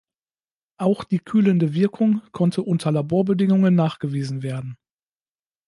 Auch die kühlende Wirkung konnte unter Laborbedingungen nachgewiesen werden.